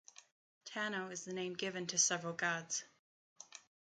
Tano is the name given to several gods.